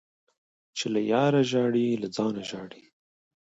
- چي له یاره ژاړي له ځانه ژاړي.